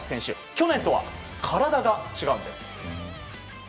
去年とは体が違うんです。